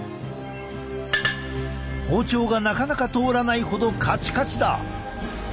包丁がなかなか通らないほどカチカチだ！